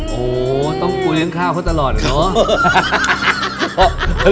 โอ้โหต้องคุยเรื่องข้าวเขาตลอดเนอะ